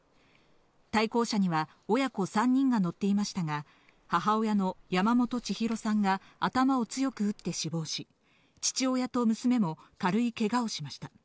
対向車には親子３人が乗っていましたが、母親の山本ちひろさんが頭を強く打って死亡し、父親と娘も軽いけがをしました。